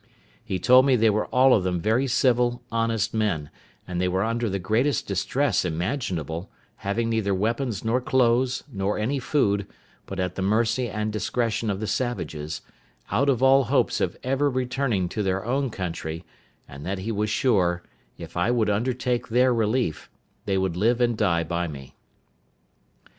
He told me they were all of them very civil, honest men, and they were under the greatest distress imaginable, having neither weapons nor clothes, nor any food, but at the mercy and discretion of the savages; out of all hopes of ever returning to their own country; and that he was sure, if I would undertake their relief, they would live and die by me.